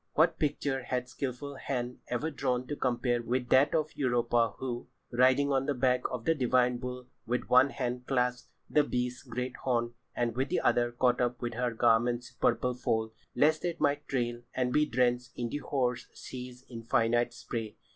What picture had skilful hand ever drawn to compare with that of Europa who, "riding on the back of the divine bull, with one hand clasped the beast's great horn, and with the other caught up her garment's purple fold, lest it might trail and be drenched in the hoar sea's infinite spray.